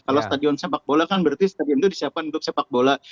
kalau stadion sepak bola kan berarti stadion itu disiapkan untuk sepak bola